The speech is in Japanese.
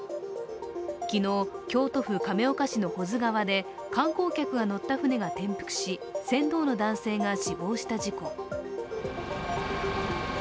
昨日、京都府亀岡市の保津川で観光客が乗った舟が転覆し船頭の男性が死亡した事故。